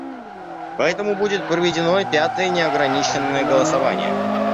Поэтому будет проведено пятое неограниченное голосование.